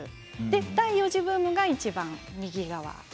第４次ブームがいちばん右側。